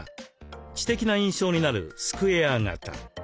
知的な印象になるスクエア型。